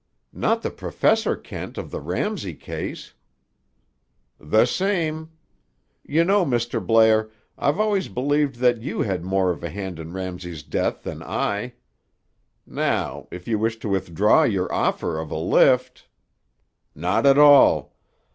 "Not the Professor Kent of the Ramsay case?" "The same. You know, Mr. Blair, I've always believed that you had more of a hand in Ramsay's death than I. Now, if you wish to withdraw your offer of a lift—" "Not at all.